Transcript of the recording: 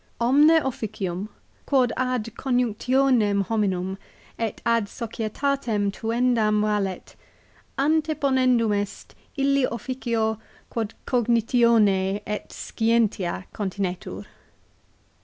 " Omne officium, quod ad conjunctionem hominum et ad societatem tuendam valet, anteponendum est illi officio, quod cognitione et scientia continetur."